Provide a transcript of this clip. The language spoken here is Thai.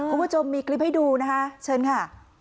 ผมก็จะมีคลิปให้ดูนะคะเชิญค่ะ